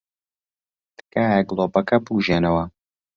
تکایە گڵۆپەکە بکوژێنەوە.